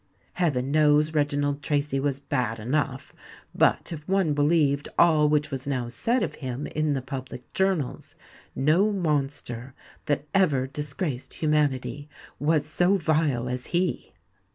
Heaven knows Reginald Tracy was bad enough; but if one believed all which was now said of him in the public journals, no monster that ever disgraced humanity was so vile as he.